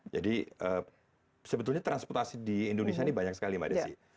jadi sebetulnya transportasi di indonesia ini banyak sekali mbak desi